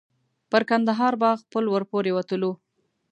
پر کندهار باغ پل ور پورې وتلو.